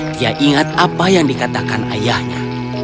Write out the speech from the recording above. dia ingat apa yang dikatakan ayahnya